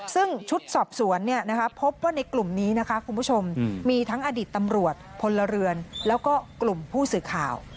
ซึ่งชุดสอบสวนพบว่าในกลุ่มนี้นะคะคุณผู้ชมมีทั้งอดีตตำรวจพลเรือนแล้วก็กลุ่มผู้สื่อข่าว